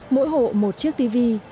mỗi hộ một chiếc tv